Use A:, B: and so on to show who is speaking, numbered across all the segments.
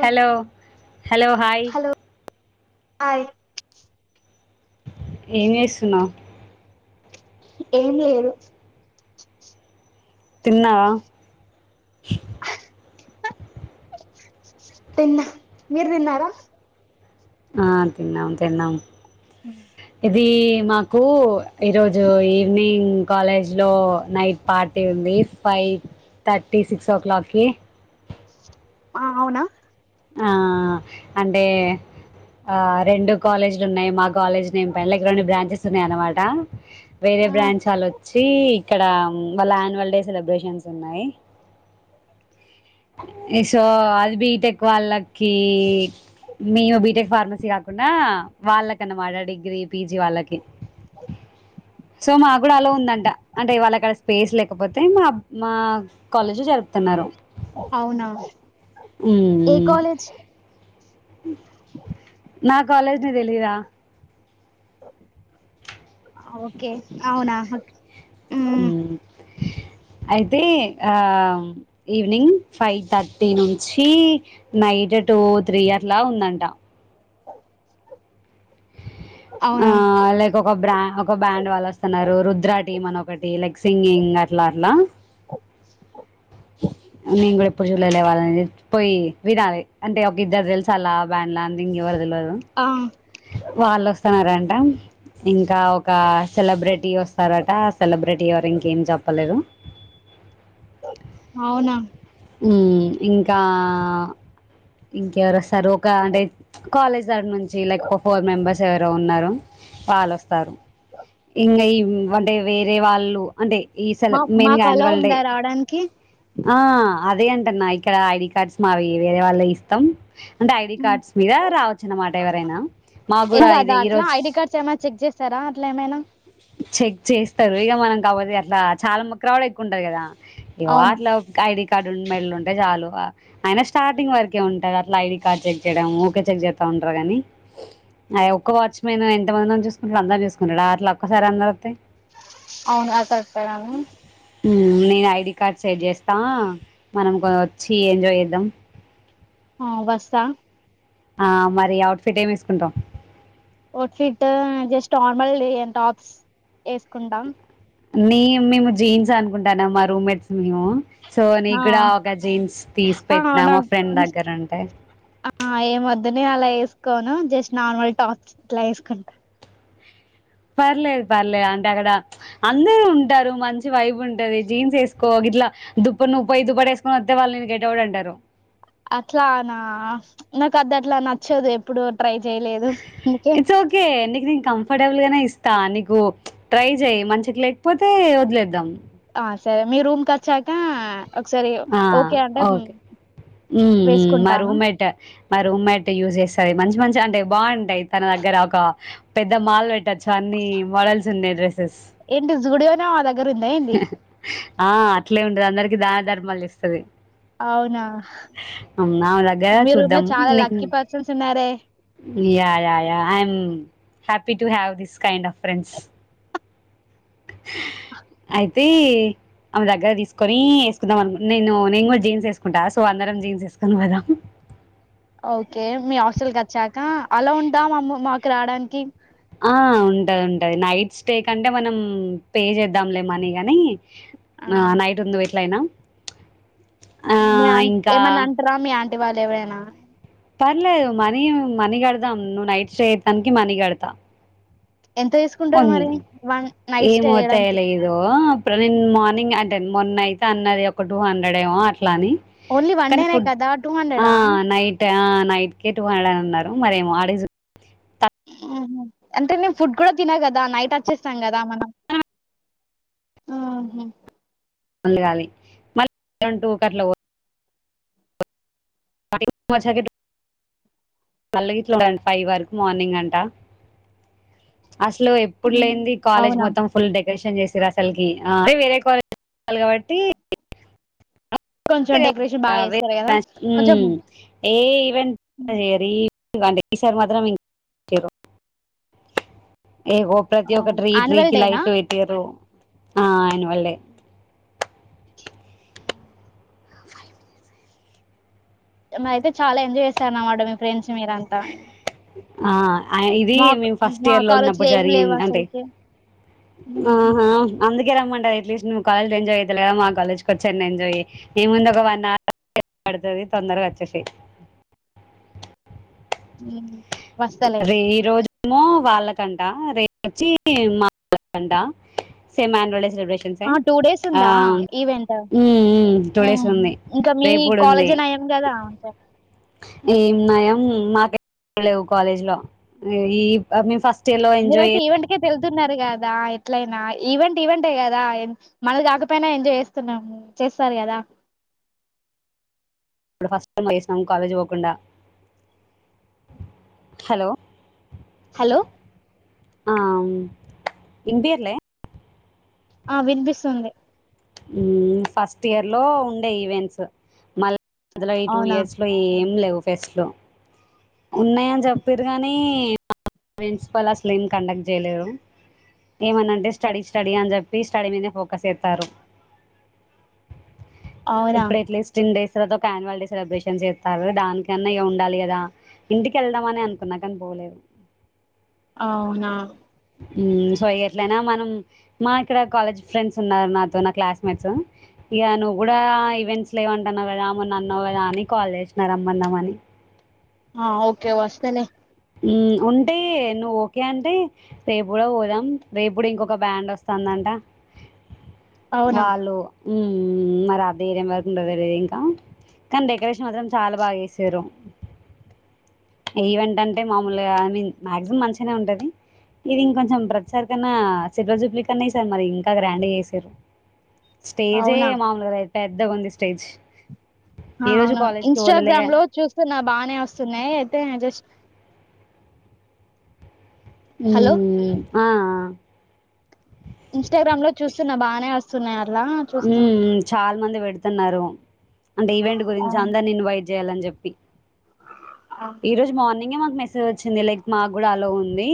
A: Hello hello hi
B: hello hi
A: ఏం చేస్తున్నావ్
B: ఏం లేదు
A: తిన్నావా
B: తిన్న మీరు తిన్నారా
A: ఆ తిన్నాం తిన్నాం ఇది మాకు ఈరోజు ఈవినింగ్ కాలేజ్ లో నైట్ పార్టీ ఉంది ఫైవ్ థర్టీ సిక్స్ ఓ క్లాక్కి
B: ఆ అవునా
A: ఆ అంటే ఆ రెండు కాలేజీలు ఉన్నాయి మాకు కాలేజ్ నేమ్ పైన ఇక్కడ రెండు బ్రాంచెస్ ఉన్నాయ అనమాట వేరే
B: ఆ
A: బ్రాంచ్ వాళ్లు వచ్చి ఇక్కడ వాళ్ళ యాన్యువల్ డే సెలబ్రేషన్స్ ఉన్నాయి ఎసో అది బీటెక్ వాళ్ళకి మేము బీటెక్ ఫార్మసీ కాకుండా వాళ్ళకన్నమాట డిగ్రీ పీజీ వాళ్ళకి
B: కుక్క సౌండ్
A: సో మా కూడా అలో ఉందంట అంటే వాళ్లకు అక్కడ స్పేస్ లేకపోతే మా మా కాలేజ్ జరుపుకుంటారు
B: అవునా
A: ఈ
B: ఏ కాలేజ్
A: నా కాలేజ్ తెలియద
B: ఓకే అవునా మ్
A: అయితే ఆ ఈవినింగ్ ఫైవ్ థర్టీ నుంచి నైట్ టు త్రీ అట్ల ఉందంట ఆ
B: అవునా
A: లైక్ ఒక బ్రా ఒక బ్రాండ్ వాళ్ళు వస్తున్నారు రుద్ర టీమ్ అని ఒక బటి లైక్ సింగింగ్ అట్లా అట్లా నేను కూడా ఇప్పుడు చూడలే ఇవాళ పోయి వినాలి అంటే ఒక ఇద్దరు తెలుసు అల బ్యాండ్లా
B: ఆ
A: వాళ్ళు వస్తున్నారంట ఇంకా ఒక సెలబ్రిటీ వస్తారట ఆ సెలబ్రిటీ ఎవరు ఇంకేం చెప్పలేదు టీవీ సౌండ్
B: అవునా
A: ఇంకా ఇంకెవరు వస్తారు ఒక అంటే కాలేజ్ దడి నుంచి లైక్ ఒక ఫోర్ మెంబెర్స్ ఎవరు ఉన్నారు వాళ్ళుస్తారు ఇంకా ఈ అంటే వేరే వాళ్ళు అంటే ఈ స్ల
B: మా
A: మెయిన్
B: మాకు అలో
A: అనిమల్ డే
B: ఉందా రావడానికి
A: ఆ అదే అంట అన్నా ఇక్కడ ఐడి కార్డ్స్ మావి వేరే వాళ్ళ ఇస్తాం అంటే ఐడి కార్డ్స్ మీద రావచ్చు అన్నమాట ఎవరైనా మాకు కూడా ఇది ఈరోజు
B: ఇస్తారా అట్లా ఏమైనా
A: చెక్ చేస్తారు ఇక మనం కాబట్టి అట్లా చాలా కవర్ ఎక్కువ ఉంటారు కదా
B: అవును
A: ఐడెంటి కార్డు కార్డు మెడలు ఉంటయి చాలు అయిన స్టార్టింగ్ వరకే ఉంటది అట్లా ఐడి కార్డ్ చెక్ చేయడం ఊకే చెక్ చేస్తాం ఉండ కానీ అ ఒక్క వాచ్మెన్ ఎంత మంది చసుకుంటడు అందూ చూసుకుంటాడు అలా ఒక్కసారి అందరుతే
B: అవును ఆ కస్తారను
A: నేను ఐడి కార్డ్ సెడ్ చేస్తా మనం వచ్చి ఏంజాయ్ చేద్దాం
B: ఆ వస్తా
A: ఆ మరి అవుట్ఫిట్ ఏమి వసుకుంటాం
B: outfit just normal tops వేసుకుంటాం
A: న మేము జీన్స్ అనుకుంటానా మా రూమ్మేట్స్ మేము సో నీ
B: ఆ
A: కూడా ఒక జీన్స్ తీసి
B: ఆ
A: పెట్టినా మా
B: నాకు
A: ఫ్రెండ్ దగ్గరంటే
B: ఆ ఏం వదుని అలా వేసుకోను జస్ట్ నార్మల్ టాక్స్ ఇట్లా వేసుకుంటా
A: పర్లేదు పర్లేదు అంటే అక్కడ అందరుూ ఉంటారు మంచి వైబ్ ఉంటది జీన్స్ వేసుకో ఇట్లా దుప్ప నుప్పై దు పడ వేసుకొని వస్తే వాళ్ళు గెట అవడ అంటారు
B: అట్లానా నాకు అది అట్లా నచ్చేదు ఎప్పుడు ట్రై చేయలేదు అందుకే
A: ఇట్స్ ఓకే నీకు నేను కంఫర్టబుల్ గానే ఇస్తా నీకు ట్రై చెయయి మంచికి లేకపోతే వదిలేద్దాం
B: ఆ సరే మీ రూమ్కి వచ్చాక ఒకసారి
A: ఆ
B: ఓకే అంటే
A: ఓకే మా
B: వేసుకుంటాను
A: రూమ్ మట మా రూమ్ మట్ యూజ్ చేస్తంది మంచి మంచి అంటే బాగుంటాయి తన దగ్గర ఒక పెద్ద మాల్ పెట్టొచ్చు అన్ని మోడల్స్ ఉన్నాయి డ్రెస్సెస్
B: ఎంటి జ గుడివనే అదా
A: ఆ అట్లే ఉంటది అందరికిీ దాన ధర్మాలు ఇస్తుది
B: అవునా
A: అవునా నాదగార
B: మీ రూమ్ లో
A: చూద్దాం
B: చాలా
A: నకు
B: లక్కీ పర్సన్స్ ఉన్నారే
A: yeah yeah I a happy to have this kind of friends అయితే ఆమె దగ్గర తీసుకొని వేసుకుందాం అనుకు నేను నేను కూడా జీన్స్ వేసుకుంటా సో అందరం జీన్స్ వేసుకొని వదాం
B: ఓకే మీ హాస్టల్ క వచ్చాక అలా ఉందా మామ్ మాకు రాడానికి
A: ఆ ఉంటది ఉంటది నైట్ స్టే కంటే మనం పే చేద్దాంలేమనీ ని ఆ నైట్ ఉంది ఎట్ల అయినా
B: మీ ఆ ఏమైన్నా అంటారా మీ ఆంటీ వాళ్ళు ఎవరైనా
A: పర్లేదు మనీ మనీ కడదాం నువ్వు నైట్ స్టే అటానికి మనీ కడతాం
B: ఎంత తీసుకుంటారు
A: ఉను
B: మరి వన్
A: ఏ
B: నైట్ స్టే చేయడానికి
A: మతాయల ఇ ఇప్పుడు నేను మార్నింగ్ అంటే మొన్న అయితే అన్నది ఒక టూ హండ్రెడ్ ఏమో కానీ
B: ఓన్లీ వన్ డేనే
A: ఫుడ్
B: కదా టూ హండ్రెడా
A: నైట్ నైట్ కే టూ హండ్ర అడ్ అన్నారు మరే ఆడజ
B: అంటే నేను ఫుడ్ కూడా తిన కదా నైట్ వచ్చేస్తాం కదా మనం ఆ
A: ముందుగాలి మళ్ళీంటూ ఒకట్లా టి మా చాకి మల్లగిట్లోడి ఫైవ్ వరకు మార్నింగ్ అంట అసలు ఎప్పుడు
B: ఉమ్.
A: లేనింది కాలేజ్
B: అవునా
A: మొత్తం ఫుల్ డెకొరేషన్ చేస్త సిరాసల్కి అే వేరే కాలజ్ాలి కాబట్టి
B: కొంచెం డెకరేషన్ బాగా చేస్తారు కదా కొంచెం
A: ఏ ఈవెంట్ అంటసార్ మాత్రం ఏ ప్రతి ఒక్కట
B: యాన్యువల్
A: ట్రీకి
B: డేనా
A: లీట్లు పెట్రు ఆ ఆనువల్ డే ఫైవ్ మట్
B: మర అయితే చాలా ఎంజాయ్ చేస్తార అన్నమాట మీ ఫ్రెండ్స్ మీరంతా
A: ఆ ఇది
B: మా
A: మేము ఫస్ట్
B: మా
A: ఇయర్ లో
B: కాలేజ్
A: ఉన్నప్పుడు
B: ఏం లేవు
A: జరిగింది అంటే
B: అసలుకి ఉహు,
A: ఆహా అందుకేరమ అట్లీస్ట్వ్ కాలేజ లా ఎజాయ్ చేతలేవ్ కదా మా కాలేజ వచ్చే అయిన ఎంజాయ్ ఏం ముందు ఒక వన్ అవర్ ఎ పడుతది తొందరగా వచ్చే ఫే
B: ఉ
A: అదే ఈ రోజుమో వాళ్ళకంట రేపుొచ్చి మా వాళ్ళకంట సేమాన్ళ సెలబ్రేషన్స్
B: ఆ
A: ఉంటాయి
B: టూ డేస్ ఉందా event
A: um two days
B: um,
A: ఉంది
B: ఇంకా మీ
A: రేపడు కూడా ఉంది
B: కాలేజే నయం కదా [inaudible]
A: ఏం నయం మాక లేవు కాలేజ్ లో ఇ మీ ఫస్ట్ ఇయర్ లో ఎంజాయ్
B: మీరైయితే ఈవెంట్ కి వెళ్తున్నారు కదా ఎట్లయినా ఈవెంట్ ఈవెంట్ ఏ కదా మన కాకపోయినా ఎంజాయ్ చేస్తున్నాము చేస్తారు కదా
A: ఇప్పుడు ఫస్ట్ ట వైస్ కాలేజ్ పోకుండా హలో
B: హలో
A: ఆ ఇనిపియట్లే
B: ఆ వినిపిస్తుంది
A: ఉమ్ ఫస్ట్ ఇయర్ లో ఉండే ఈవెంట్స్ మళ్ళ మధ్యల ఈ టూ
B: అవునా
A: ఇయర్స్లో ఏం లేవు ఫెస్ట్లు ఉన్నాయని చెప్పారు కానీ ప్రిన్సిపాల్ అసలు ఏమి కండక్ట్ చేయలేరు ఏమనంటే స్టడీ స్టడీ అని చెప్పి స్టడీ మీదేనే ఫోకస్ ఇస్తారు
B: అవునా
A: ఇప్పుడు ఎట్లీస్ట్ టెన్ డేస్ లో ఒక న్యువల్ డే సెలబ్రేషన్స్ చేస్తారు దానికన్నా ఇగ ఉండాలి కదా ఇంటికి వెళ్దామని అనుకున్నా కాని పోలేదు
B: అవునా
A: ఉమ్ సో ఇగ ఎట్లయినా మనం మా ఇక్కడ కాలేజ్ ఫ్రెండ్స్ ఉన్నారు నాతో నా క్లాస్మేట్స్ ఇగ నువ్వు కూడా ఈవెంట్స్ లేవంటన్నావ్ కదా మొన్న అన్నావ్ కదా అని కాల్ చేసిన రమ్మందామని
B: హ ఓకే వస్తాలే
A: ఉమ్ ఉంటే నువ్వు ఓకే అంటే రేపు కూడా పోదాం రేపుడు ఇంకొక బ్యాండ్ వస్తుందంట
B: అవునా
A: వాళ్ళు ఉమ్ మరి అద ఏైరియం వరకు ఉంటదిలిదు ఇంకా కానీ డెకరేషన్ మాత్రం చాలా బాగా చేసిర్రు ఈవెంట్ అంటే అంటే మామూలుగా నిన్ మాక్సిమం మంచిగానే ఉంటది ఇది ఇంకొంచెం ప్రసారి కన్నా సిల్వర్ జూప్లిక్ అన్నా సార్ మరి ఇంకా గ్రాండ్ చేసిర్రు స్టేజే
B: అవునా
A: మామలుగాారు పెద్దగాంది స్టేజ్
B: హ
A: ఈ రోజు
B: అవును
A: కాలేజ్ కి పోలేలేగా
B: ఇన్స్టాగ్రామ్ లో చూస్తున్న బాగానే వస్తున్నాయి అయితే జస్ట్ హలో
A: ఉమ్ ఆ ఆ
B: ఇన్స్టాగ్రామ్ లో చూస్తున్నా బానే వస్తున్నయి అవి
A: ఊ ఊ చాలా మంది పెడుతున్నారు అంటే ఈవెంట్ గురించి అందరినీ ఇన్వైట్ చేయాలని చెప్పి ఈరోజు మార్నింగ్ ఇగ మాకు మెసేజ్ వచ్చింది లైక్ మాకు కూడా అలో ఉంది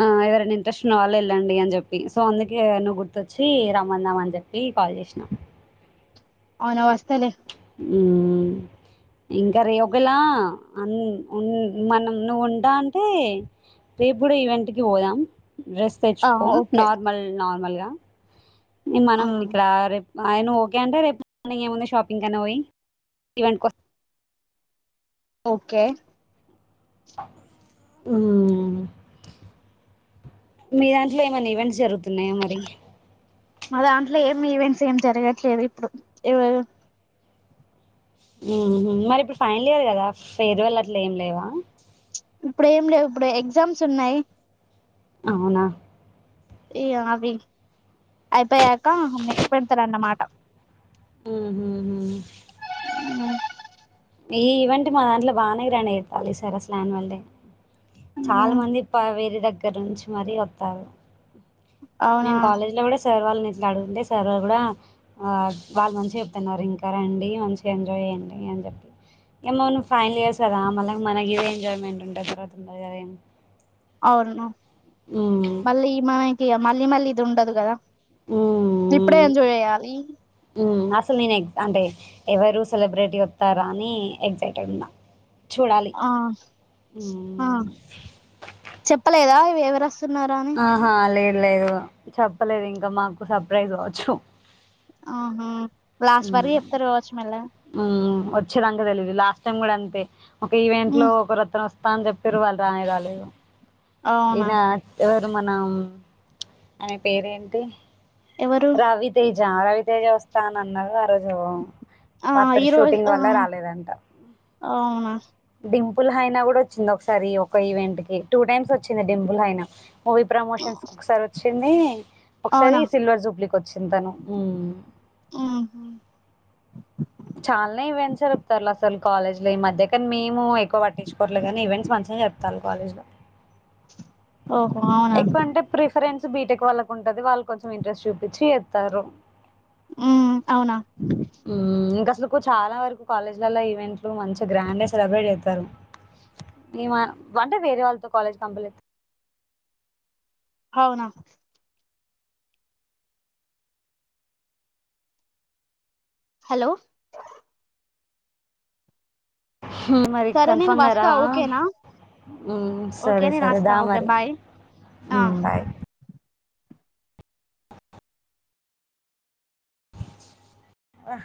A: ఆ ఎవరైనా ఇంట్రెస్ట్ ఉన్నవాళ్లు వెళ్ళండి అ చెప్పి సో అందుకే నువ్వు గుర్తొచ్చి రమ్మందామ అని చెప్పి కాల్ చేసినా
B: అవునా వస్తలే
A: ఉమ్ ఇంకా రే ఒకలా అ ఉ మనం నువ్వు ఉంటా అంటే రేపు కూడా ఈవెంట్ కి పోదాం డ్రెస్
B: ఆ
A: తెచ్చుకో
B: ఓకే
A: నార్మల్ నార్మల్గా ఇ
B: ఆ
A: మనం ఇక్కడ రేపు ఆయన ఓకే అంటే రేపు ఏముంది షాపింగ్ అని పోయి ఈవెంట్ కోం
B: ఓకే
A: ఉమ్ మీ దాంట్లో ఏమనా ఈవెంట్స్ జరుగుతున్నాయా మరి
B: మా దాంట్లో ఏం ఈవెంట్స్ ఏం జరగట్లేదు ఇప్పుడు ఎవరు
A: మ్మ్ హు మరి ఇప్పుడు ఫైనల్ ఇయర్ గదా ఫేర్వాల్ అట్లేం లేవా
B: ఇప్పుడు ఏం లేవు ఇప్పుడు ఎగ్జామ్స్ ఉన్నయి
A: అవునా
B: ఇగ అవి అయిపోయాక నెక్స్ట్ పెడతారనమాట
A: హ్మ్ హు హ్ ఈ ఈవెంట్ మా దాంట్ల బానే గ్రాండ్ చెత్తళ్ళు ఈ సారి అసల్ అనివాల్డే చాలా మంది ప వేరే దగ్గర నుంచి మరీ వత్తరు
B: అవునా
A: మేము కాలేజ్ లో గుడా సార్ వాళ్ళ ఇట్లా అడుంటే సార్ వాళ్ళు గుడా అ వాళ్ళు మంచిగా చెప్తున్నారు ఇంకా రండి మంచిగా ఎంజాయ్ చేయ్యండి అని చెప్పి ఏమె నువ్ ఫైనల్ ఇయర్స్ కదా మళ్ళ మనకి ఎడా ఎంజాయ్మెంట్ ఉంటది తర్వా ఉంటది కదా ఏం
B: అవును
A: ఉమ్,
B: మళ్ళీ మనకి మళ్ళీ మళ్ళీ ఇది ఉండదు కదా ఇప్పుడే
A: ఉమ్,
B: ఎంజాయ్ చేయ్యాలి
A: సో నేన్ అంటే ఎవరు సెలబ్రిటీ వత్తరా అని ఎక్సైటెడ్ ఉన్నా చూడాలి
B: ఆ ఆ
A: మ్మ్
B: చెప్పలేదా ఇవి ఎవరు వస్తున్నారా అని
A: ఆహా లేద్ లేదు చెప్పలేదు ఇంకా మాకు సర్ప్రైజ్ కావచ్చు.
B: అవునా లాస్ట్ వరకు చెప్తరు కావచ్చు మెల్లగా
A: మ్మ్ వచ్చేదాంక తెలిదు లాస్ట్ టైం గుడా అంతే ఒక ఈవెంట్ లో
B: ఉమ్
A: ఒకరు వత్తరు వత్త అని చెప్పిర్రు వాళ్ళు రానే రాలేదు.
B: అవునా
A: ఈయన ఎవరు మనం ఆయన పేరేంటి
B: ఎవరు
A: రవితేజా రవితేజ వస్తా అని అన్నరు
B: ఆ
A: బర్త్డే
B: ఈరోజు
A: షూటింగ్
B: ఆ
A: వల్ల రాలేదంట
B: అవునా
A: ఫుల్ హయినా గుడా వచ్చిండు ఒకసారి ఒక ఈవెంట్కి టూ టైమ్స్ వచ్చింది డింపుల్ అయిన మూవీ ప్రమోషన్స్ ఒకసారి వచ్చింది ఒకసారి
B: అవునా
A: సిల్వర్ సూ వచ్చింతను
B: ఉమ్
A: చాల్నే ఈవెంట్స్ జరుపుతరు అసలు కాలేజ్ లో ఈ మధ్య కానీ మేము ఎక్కువ పట్టించుకోవట్లేగని ఈవెంట్స్ మంచిగానే జరుపుతాళ్లు కాలేజ్ లా
B: ఓహో అవునా
A: ఎక్కువ అంటే ప్రిఫరెన్స్ బీటెక్ వాళ్ళకు ఉంటది వాళ్ళు కొంచెం ఇంట్రెస్ట్ చూపించి చెత్తర్రు
B: మ్మ్ అవునా
A: అసలకు చాలా వరకు కాలేజ్లలో ఈవెంట్లు మంచి గ్రాండ్ గా సెలబ్రేట్ చెత్తరు ఈమ వంట వేరే వాళ్ళతో కాలేజ్ కం
B: అవునా హలో
A: మరి
B: సరే నేను
A: కన్ఫామ్ కదా
B: వస్తా ఓకేనా
A: హ్మ్
B: ఓకే
A: సరే
B: నేను
A: సరే
B: వస్తా
A: దా
B: ఓకే
A: మరి
B: బాయ్ ఆ
A: హ్మ్ బాయ్ అవ్వ